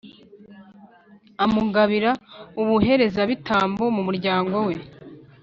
amugabira ubuherezabitambo mu muryango we.